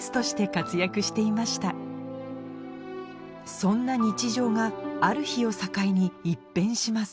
そんな日常がある日を境に一変します